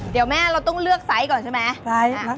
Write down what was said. เดี๋ยวแม่เราต้องเลือกไซส์ก่อนใช่ไหม